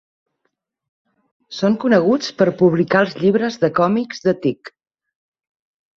Són coneguts per publicar els llibres de còmics The Tick.